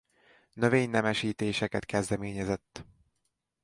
Növénynemesítéseket kezdeményezett.